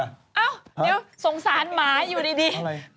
เอ้านิ้วสงสารหมาอยู่ดี